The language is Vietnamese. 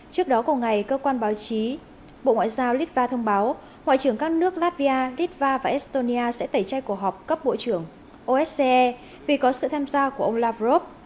trước đó của ngày cơ quan báo chí bộ ngoại giao litva thông báo ngoại trưởng các nước latvia litva và estonia sẽ tẩy chay cuộc họp cấp bộ trưởng osce vì có sự tham gia của ông lavrov